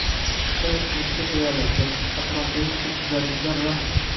chiqishlar qilishga tayyorlashi, atrofdagi huquqbuzarliklar va